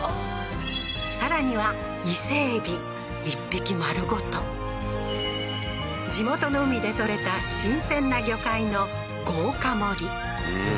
さらには１匹丸ごと地元の海で取れた新鮮な魚介の豪華盛りうん